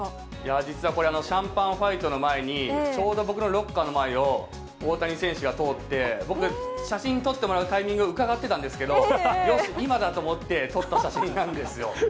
実はこれ、シャンパンファイトの前に、ちょうど僕のロッカーの前を、大谷選手が通って、僕、写真撮ってもらうタイミングをうかがってたんですけど、よし、今だと思って撮った写真なんですよ。